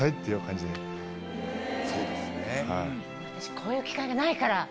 こういう機会がないから。